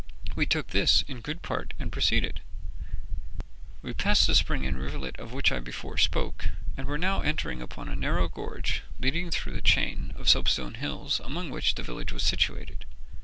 We took this in good part, and proceeded. We had passed the spring and rivulet of which I before spoke, and were now entering upon a narrow gorge leading through the chain of soapstone hills among which the village was situated.